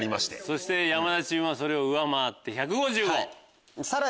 そして山田チームはそれを上回って１５５。